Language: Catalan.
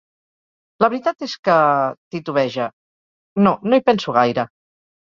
La veritat és que —titubeja—, no, no hi penso gaire.